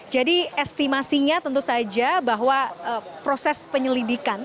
jadi estimasinya tentu saja bahwa proses penyelidikan